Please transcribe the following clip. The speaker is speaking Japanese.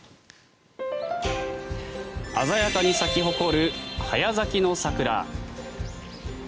鮮やかに咲き誇る早咲きの桜。